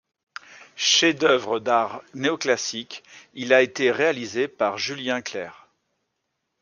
Chef d’œuvre d’art néoclassique, il a été réalisé par Julien Clerc.